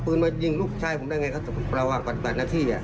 ปืนมายิงลูกชายผมได้ไงเขาจะประวังบัติหน้าที่